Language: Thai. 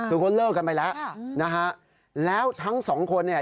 คือเขาเลิกกันไปแล้วนะฮะแล้วทั้งสองคนเนี่ย